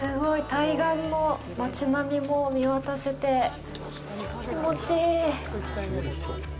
対岸の街並みも見渡せて、気持ちいい。